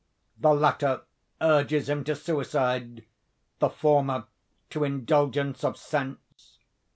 The latter urges him to suicide, the former to indulgence of sense.